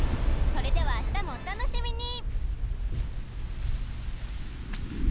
それではあしたもお楽しみに！